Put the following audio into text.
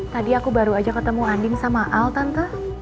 tadi aku baru aja ketemu andien sama al tante